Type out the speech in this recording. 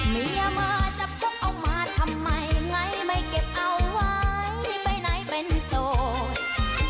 เมียเมอร์จับโชว์ออกมาทำไมไงไม่เก็บเอาไว้เดี๋ยวไปไหนเป็นโศษ